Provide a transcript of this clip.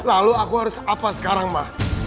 lalu aku harus apa sekarang mah